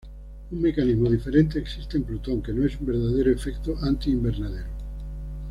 Un mecanismo diferente existe en Plutón, que no es un verdadero efecto anti-invernadero.